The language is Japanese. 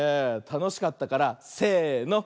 たのしかったからせの。